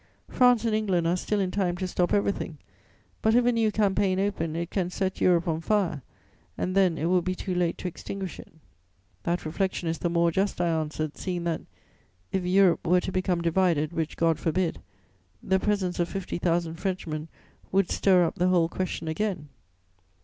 France and England are still in time to stop everything; but, if a new campaign open, it can set Europe on fire, and then it will be too late to extinguish it.' "'That reflection is the more just,' I answered, 'seeing that, if Europe were to become divided, which God forbid, the presence of fifty thousand Frenchmen would stir up the whole question again.'